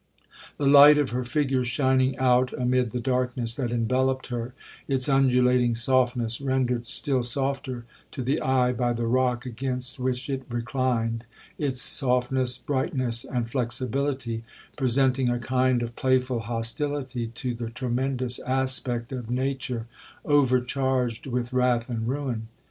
'The light of her figure shining out amid the darkness that enveloped her,—its undulating softness rendered still softer to the eye by the rock against which it reclined,—its softness, brightness, and flexibility, presenting a kind of playful hostility to the tremendous aspect of nature overcharged with wrath and ruin.